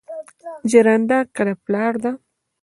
ژرنده که د پلار ده